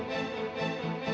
lo sudah nunggu